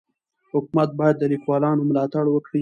حکومت باید د لیکوالانو ملاتړ وکړي.